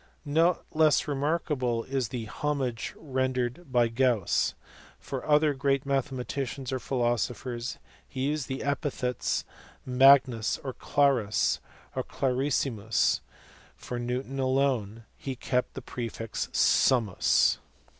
Not less remarkable is the homage rendered by Gauss : for other great mathematicians or philosophers, he used the epithets magnus, or clarus, or clarissimus ; for Newton alone he kept the prefix summus.